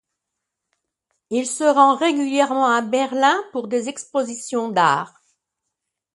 Il se rend régulièrement à Berlin pour des expositions d'art.